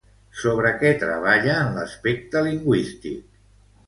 Sobre què treballa en l'aspecte lingüístic?